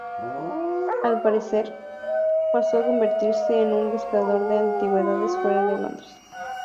Al parecer, pasó a convertirse en un buscador de antigüedades fuera de Londres.